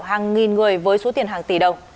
hàng nghìn người với số tiền hàng tỷ đồng